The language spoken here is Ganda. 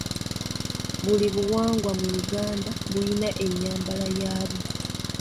Buli buwangwa mu Uganda buyina enyambala yabwo.